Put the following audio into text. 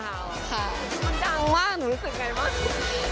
มันดังมากหนูรู้สึกไงบ้าง